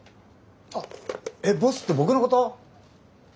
あっえっボスって僕のこと？